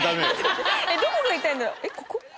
えっここ？